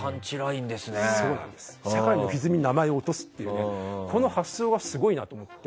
社会のひずみに名前を落とすというこの発想がすごいなと思って。